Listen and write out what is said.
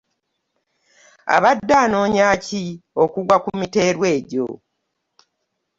Abadde anoonya ki okugwa ku miteeru egyo?